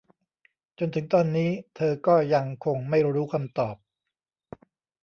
จนถึงตอนนี้เธอก็ยังคงไม่รู้คำตอบ